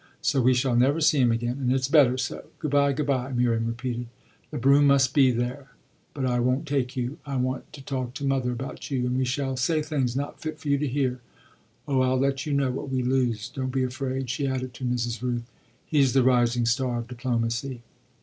So we shall never see him again, and it's better so. Good bye, good bye," Miriam repeated; "the brougham must be there, but I won't take you. I want to talk to mother about you, and we shall say things not fit for you to hear. Oh I'll let you know what we lose don't be afraid," she added to Mrs. Rooth. "He's the rising star of diplomacy."